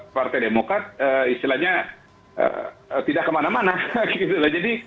partai demokrat istilahnya tidak kemana mana